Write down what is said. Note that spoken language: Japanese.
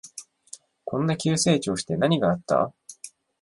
こんな急成長して何があった？